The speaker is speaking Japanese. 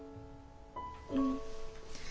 うん。